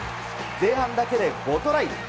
前半だけで５トライ。